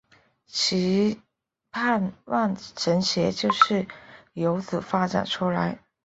其盼望神学就是有此发展出来。